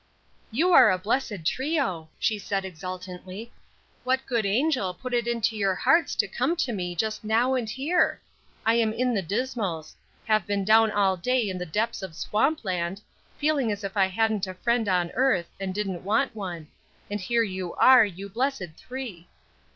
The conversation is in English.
"You are a blessed trio," she said, exultantly. "What good angel put it into your hearts to come to me just now and here? I am in the dismals; have been down all day in the depths of swamp land, feeling as if I hadn't a friend on earth, and didn't want one; and here you are, you blessed three."